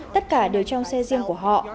tất cả đều trong xe riêng của họ